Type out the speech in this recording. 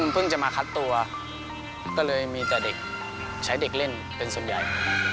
จะมาคัดตัวก็เลยมีแต่เด็กใช้เด็กเล่นเป็นส่วนใหญ่